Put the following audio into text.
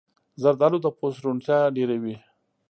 زردالو د پوست روڼتیا ډېروي.